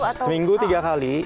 seminggu tiga kali